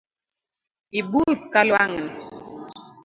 Ibuth kalwangni